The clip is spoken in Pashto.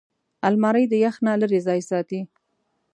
الماري د یخ نه لېرې ځای ساتي